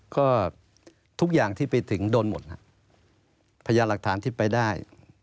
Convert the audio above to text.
ก็ทุกอย่างที่ไปถึงโดนหมดพยานหลักฐานที่ไปได้